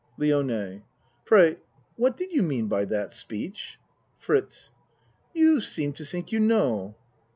LIONE Pray, what did you mean by that speech ? FRITZ You seem to tink you know.